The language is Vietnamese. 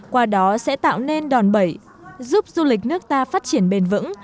qua đó sẽ tạo nên đòn bẩy giúp du lịch nước ta phát triển bền vững